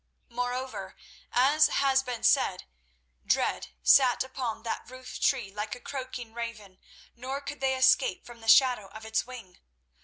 Moreover, as has been said, dread sat upon that rooftree like a croaking raven, nor could they escape from the shadow of its wing.